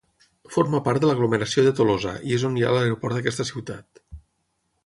Forma part de l'aglomeració de Tolosa i és on hi ha l'aeroport d'aquesta ciutat.